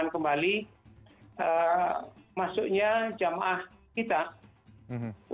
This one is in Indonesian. untuk pemerintah saudi kita harus berusaha agar covid di tempat kita bisa segera tertahan